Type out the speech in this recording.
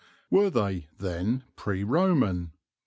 Were they, then, pre Roman?